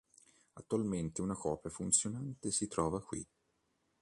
Attualmente una copia funzionante si trova qui.